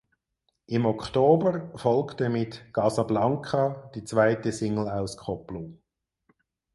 Im Oktober folgte mit "Casa Blanca" die zweite Singleauskopplung.